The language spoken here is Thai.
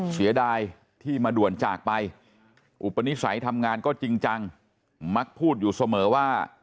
เสียดายที่มาด่วนจากไปอุปนิสัยทำงานก็จริงจังมักพูดอยู่เสมอว่า